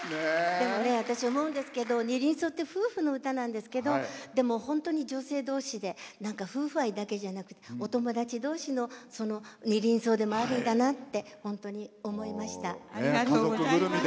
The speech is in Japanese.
でもね、私思うんですけど「二輪草」って夫婦の歌なんですけどでも、本当に女性同士でなんか夫婦愛だけじゃなくお友達同士の「二輪草」でもあるんだなって本当に思いました。